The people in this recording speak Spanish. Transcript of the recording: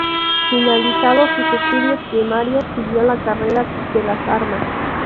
Finalizados sus estudios primarios siguió la carrera de las armas.